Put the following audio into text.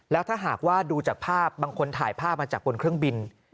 แล้วถ้าหากว่าดูจากภาพบางคนถ่ายภาพมาจากบนเครื่องบิน